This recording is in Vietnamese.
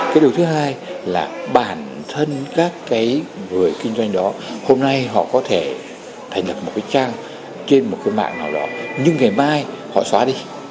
cái điều thứ hai là bản thân các cái người kinh doanh đó hôm nay họ có thể thành lập một cái trang trên một cái mạng nào đó nhưng ngày mai họ xóa đi